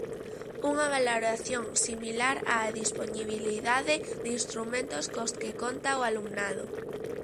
Unha valoración similar á dispoñibilidade de instrumentos cos que conta o alumnado.